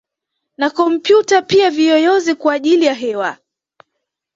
Na kompyuta pia viyoyozi kwa ajili ya hewa